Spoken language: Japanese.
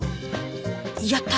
やった！